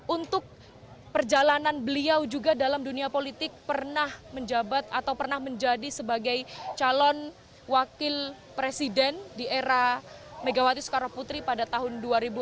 untuk perjalanan beliau juga dalam dunia politik pernah menjabat atau pernah menjadi sebagai calon wakil presiden di era megawati soekarno putri pada tahun dua ribu empat